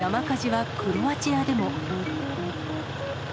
そして、山火事はクロアチアでも。